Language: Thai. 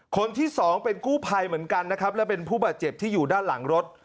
คนที่สองเป็นกู้ภัยเหมือนกันนะครับและเป็นผู้บาดเจ็บที่อยู่ด้านหลังรถ